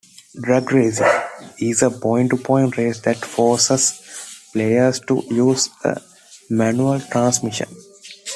"Drag racing" is a point-to-point race that forces players to use a manual transmission.